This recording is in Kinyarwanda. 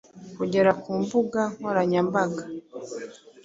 kugera ku mbuga nkoranyambaga,